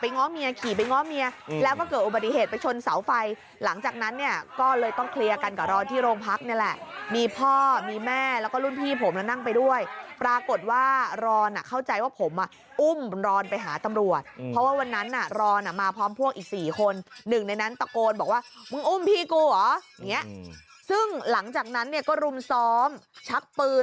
ง้อเมียขี่ไปง้อเมียแล้วก็เกิดอุบัติเหตุไปชนเสาไฟหลังจากนั้นเนี่ยก็เลยต้องเคลียร์กันกับรอนที่โรงพักนี่แหละมีพ่อมีแม่แล้วก็รุ่นพี่ผมแล้วนั่งไปด้วยปรากฏว่ารอนอ่ะเข้าใจว่าผมอ่ะอุ้มรอนไปหาตำรวจเพราะว่าวันนั้นน่ะรอนอ่ะมาพร้อมพวกอีก๔คนหนึ่งในนั้นตะโกนบอกว่ามึงอุ้มพี่กูเหรออย่างเงี้ยซึ่งหลังจากนั้นเนี่ยก็รุมซ้อมชักปืน